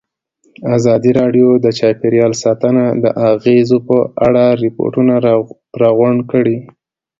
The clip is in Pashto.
ازادي راډیو د چاپیریال ساتنه د اغېزو په اړه ریپوټونه راغونډ کړي.